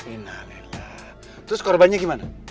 inalela terus korbannya gimana